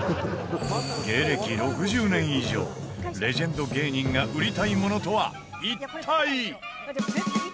芸歴６０年以上レジェンド芸人が売りたいものとは、一体？